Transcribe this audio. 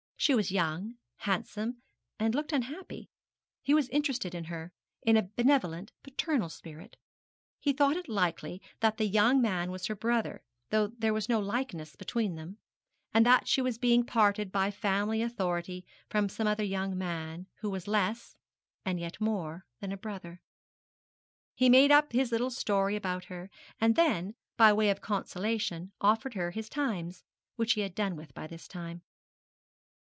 She was young, handsome, and looked unhappy. He was interested in her; in a benevolent, paternal spirit. He thought it likely that the young man was her brother, though there was no likeness between them; and that she was being parted by family authority from some other young man who was less, and yet more, than a brother. He made up his little story about her, and then, by way of consolation, offered her his Times, which he had done with by this time.